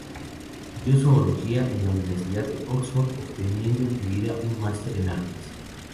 Estudió zoología en la Universidad de Oxford, obteniendo enseguida un máster en artes.